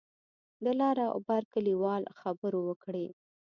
د لر او بر کلیوال خبرو وکړې.